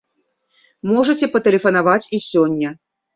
Можаце патэлефанаваць і сёння.